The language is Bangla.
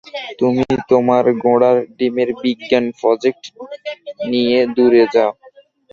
তুমি তোমার ঘোড়ার ডিমের বিজ্ঞান প্রজেক্ট নিয়ে দূরে যাও!